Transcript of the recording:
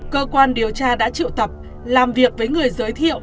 cơ quan điều tra đã triệu tập làm việc với người giới thiệu